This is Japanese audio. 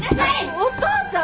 お父ちゃん